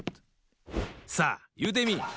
さあいうてみい！